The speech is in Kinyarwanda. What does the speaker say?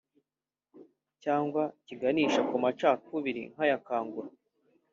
cyangwa kiganisha ku macakubiri nk’aya Kangura